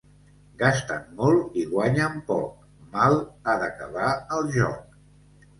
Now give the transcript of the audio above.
Gastant molt i guanyant poc, mal ha d'acabar el joc.